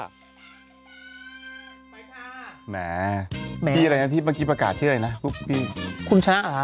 ไปค่ะแหมแหมพี่อะไรนะพี่เมื่อกี้ประกาศชื่ออะไรนะพี่พี่คุณช้าค่ะ